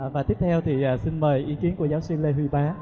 và tiếp theo thì xin mời ý kiến của giáo sư lê huy bá